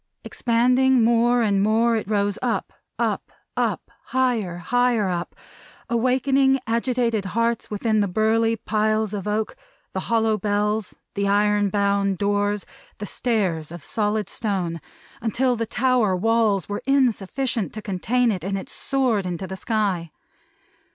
Expanding more and more, it rose up, up, up, up; higher, higher, higher up; awakening agitated hearts within the burly piles of oak, the hollow bells, the iron bound doors, the stairs of solid stone; until the tower walls were insufficient to contain it, and it soared into the sky.